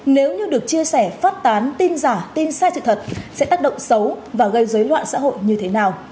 nếu như được chia sẻ phát tán tin giả tin sai sự thật sẽ tác động xấu và gây dối loạn xã hội như thế nào